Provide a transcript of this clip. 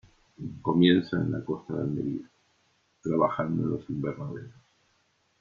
Comienza en la costa de Almería, trabajando en los invernaderos.